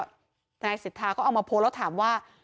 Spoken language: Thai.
นายสิทธาก็เอามาโพสต์แล้วถามว่า